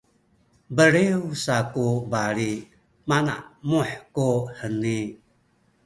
beliw sa ku bali manamuh kuheni